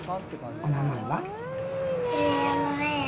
お名前は？